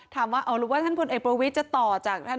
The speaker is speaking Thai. ถามว่าอาจารย์พลเอกประวิทธิ์จะต่อจาก